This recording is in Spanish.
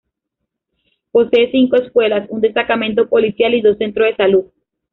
Posee cinco escuelas, un destacamento policial y dos centros de salud.